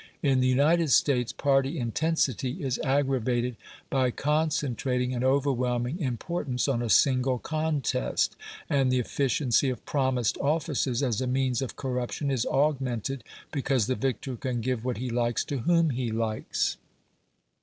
In the United States party intensity is aggravated by concentrating an overwhelming importance on a single contest, and the efficiency of promised offices as a means of corruption is augmented, because the victor can give what he likes to whom he likes.